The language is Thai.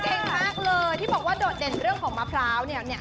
เก่งมากเลยที่บอกว่าโดดเด่นเรื่องของมะพร้าวเนี่ย